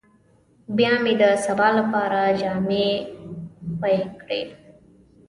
بيا مې د سبا لپاره جامې خويې کړې.